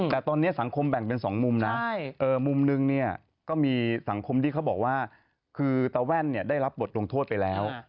แต่ตอนนี้สังคมแบ่งเป็น๒มุมนะมุมนึงเนี่ยก็มีสังคมที่เขาบอกว่าคือตาแว่นได้รับบทลงโทษไปแล้ว